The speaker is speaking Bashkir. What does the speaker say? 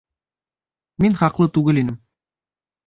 Мин хаҡлы түгел инем.